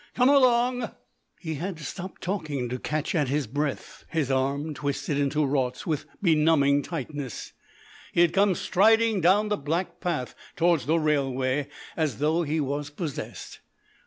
Come along!" He had to stop talking to catch at his breath. His arm twisted into Raut's with benumbing tightness. He had come striding down the black path towards the railway as though he was possessed.